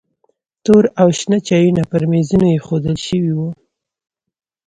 تور او شنه چایونه پر میزونو ایښودل شوي وو.